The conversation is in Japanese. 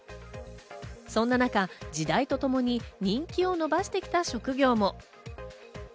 そんな中、時代とともに人気を伸ばしてきた職業も。